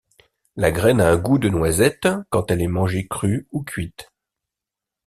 La graine a un goût de noisette quand elle est mangée crue ou cuite.